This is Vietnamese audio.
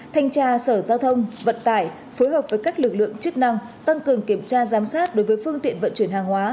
thanh tra sở giao thông vận tải phối hợp với các lực lượng chức năng tăng cường kiểm tra giám sát đối với phương tiện vận chuyển hàng hóa